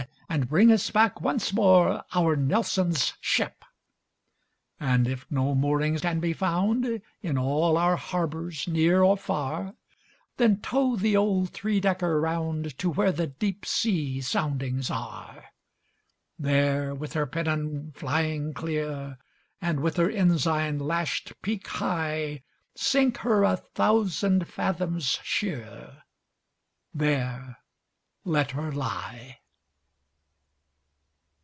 And bring us back once more Our Nelson's ship. And if no mooring can be found In all our harbours near or far, Then tow the old three decker round To where the deep sea soundings are; There, with her pennon flying clear, And with her ensign lashed peak high, Sink her a thousand fathoms sheer. There let her lie!